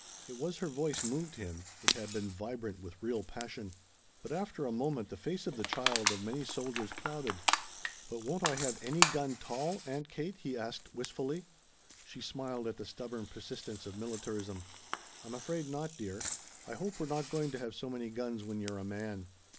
It was her voice moved him; it had been vibrant with real passion. But after a moment the face of the child of many soldiers clouded. "But won't I have any gun 'tall, Aunt Kate?" he asked wistfully. She smiled at the stubborn persistence of militarism. "I'm afraid not, dear. I hope we're not going to have so many guns when you're a man.